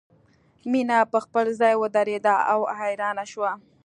مینه په خپل ځای ودریده او حیرانه شوه